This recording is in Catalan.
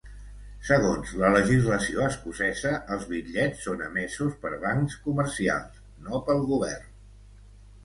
Segons la legislació escocesa, els bitllets són emesos per bancs comercials, no pel Govern.